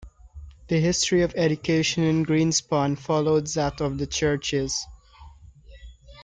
The history of education in Greenspond followed that of the churches.